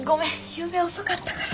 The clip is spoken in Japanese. ゆうべ遅かったから。